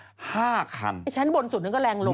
ชั้นบนสุดนังลงแบบนี้หรือเปล่า